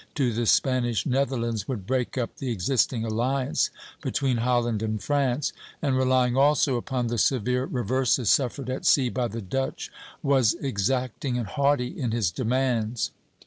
to the Spanish Netherlands would break up the existing alliance between Holland and France, and relying also upon the severe reverses suffered at sea by the Dutch, was exacting and haughty in his demands.